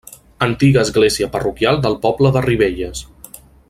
Antiga església parroquial del poble de Ribelles.